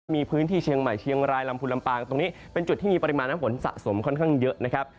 มีพื้นที่เชียงใหม่เชียงรายลำพูนลำปางตรงนี้เป็นจุดที่มีปริมาณน้ำฝนสะสมค่อนข้างเยอะนะครับ